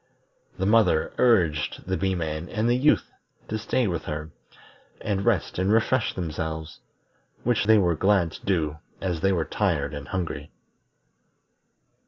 The mother urged the Bee man and the Youth to stay with her, and rest and refresh themselves, which they were glad to do as they were tired and hungry.